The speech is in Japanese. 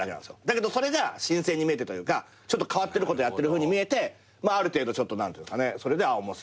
だけどそれが新鮮に見えてというかちょっと変わってることやってるふうに見えてある程度ちょっとそれで面白いね